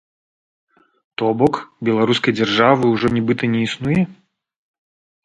То бок, беларускай дзяржавы ўжо нібыта не існуе?